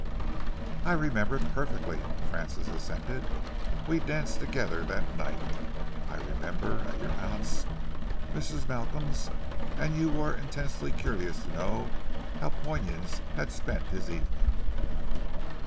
"I remember it perfectly," Francis assented. "We danced together that night, I remember, at your aunt's, Mrs. Malcolm's, and you were intensely curious to know how Poynings had spent his evening."